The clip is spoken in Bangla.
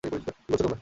কী করছ তোমরা?